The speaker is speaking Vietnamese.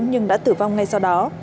nhưng đã tử vong ngay sau đó